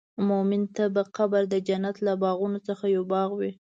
مؤمن ته به قبر د جنت له باغونو څخه یو باغ وي.